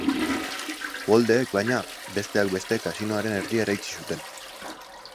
Uholdeek, baina, besteak beste, kasinoaren erdia eraitsi zuten.